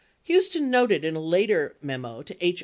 Huston noted in a later memo to H.